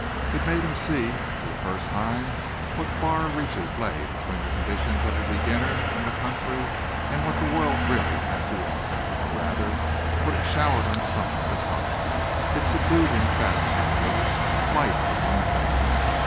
It made him see for the first time what far reaches lay between the conditions of a beginner from the country and what the world really had to offer or rather what it showered on some at the top. It subdued and saddened him a little. Life was unfair.